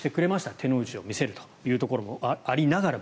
手の内を見せるということもありながらも。